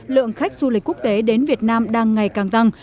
lượng khách du lịch quốc tế đến việt nam đang ngày càng tăng